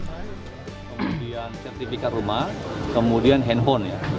kemudian sertifikat rumah kemudian handphone ya